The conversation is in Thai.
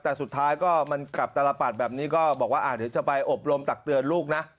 แต่สุดท้ายก็มันกลับตลปัดแบบนี้ก็บอกว่าเดี๋ยวจะไปอบรมตักเตือนลูกนะ